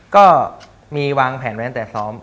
ก็มีวางแผนไว้ตั้งแต่ซ้อม